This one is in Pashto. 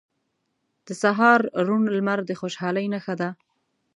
• د سهار روڼ لمر د خوشحالۍ نښه ده.